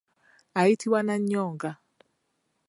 Ayitibwa Nnannyonga.